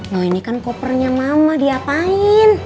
loh ini kan kopernya mama diapain